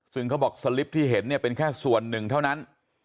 ซึ่งเขาบอกสลิปที่เห็นเนี่ยเป็นแค่ส่วนหนึ่งเท่านั้น